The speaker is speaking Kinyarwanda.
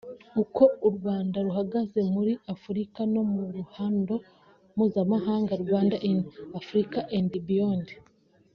Uko u Rwanda ruhagaze muri Afurika no mu ruhando mpuzamahanga (Rwanda in Africa and Beyond);